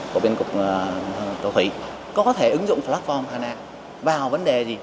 của bên cục đường thủy có thể ứng dụng platform hana vào vấn đề gì